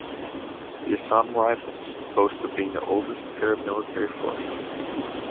The Assam Rifles boast of being the oldest paramilitary force.